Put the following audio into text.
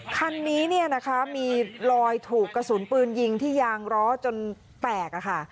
คันนี้เนี่ยนะคะมีรอยถูกกระสุนปืนยิงที่ยางร้อจนแตกค่ะ